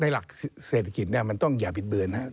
หลักเศรษฐกิจเนี่ยมันต้องอย่าบิดเบือนนะครับ